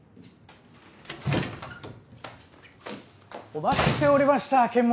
お待ちしておりました剣持先生！